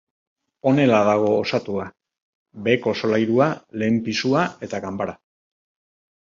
Honela dago osatua: beheko solairua, lehen pisua eta ganbara.